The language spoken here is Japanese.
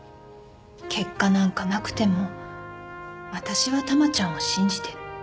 結果なんかなくても私は珠ちゃんを信じてる。